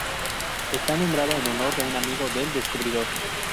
Está nombrado en honor de un amigo del descubridor.